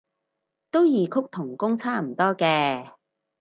都異曲同工差唔多嘅